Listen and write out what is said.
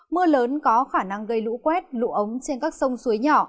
mưa lớn có khả năng gây lũ quét lũ ống trên các sông suối nhỏ